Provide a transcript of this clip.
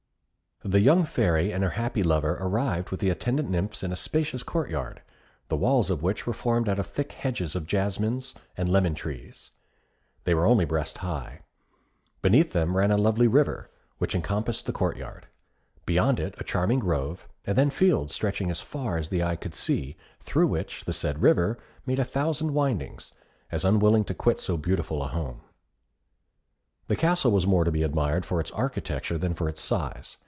The young Fairy and her happy lover arrived with the attendant nymphs in a spacious court yard, the walls of which were formed out of thick hedges of jasmines and lemon trees. They were only breast high. Beneath them ran a lovely river, which encompassed the court yard; beyond it a charming grove, and then fields stretching as far as the eye could see, through which the said river made a thousand windings, as unwilling to quit so beautiful a home. The castle was more to be admired for its architecture than for its size.